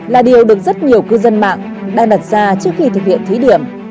là điều được rất nhiều cư dân mạng đang đặt ra trước khi thực hiện thí điểm